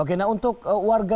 oke nah untuk warga